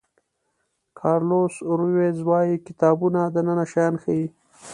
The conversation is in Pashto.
کارلوس رویز وایي کتابونه دننه شیان ښیي.